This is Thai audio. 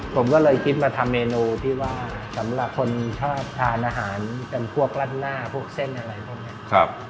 ผมก็เลยคิดมาทำเมนูที่ว่าสำหรับคนชอบทานอาหารเป็นพวกรัดหน้าพวกเส้นอะไรพวกนี้